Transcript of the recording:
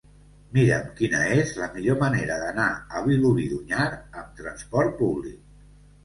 Mira'm quina és la millor manera d'anar a Vilobí d'Onyar amb trasport públic.